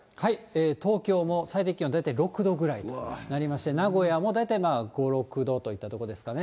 東京も最低気温大体６度くらいとなりまして、名古屋も大体５、６度といったところですかね。